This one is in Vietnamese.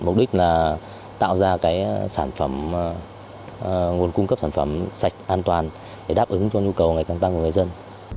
mục đích là tạo ra sản phẩm nguồn cung cấp sản phẩm sạch an toàn để đáp ứng cho nhu cầu ngày càng tăng của người dân